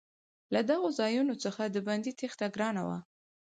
له دغو ځایونو څخه د بندي تېښته ګرانه وه.